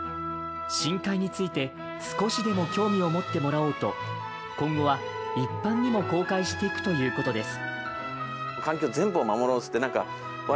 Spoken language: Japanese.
深海について少しでも興味を持ってもらおうと今後は一般にも公開していくということです。